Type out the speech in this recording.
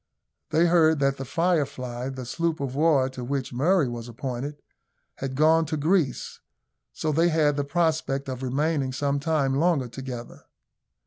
They heard that the Firefly, the sloop of war to which Murray was appointed, had gone to Greece, so they had the prospect of remaining some time longer together.